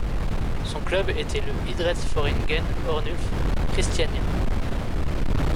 Son club était le Idrettsforeningen Ørnulf, Christiania.